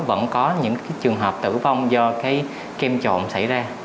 vẫn có những trường hợp tử vong do cái kem trộn xảy ra